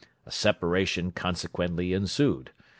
A separation consequently ensued.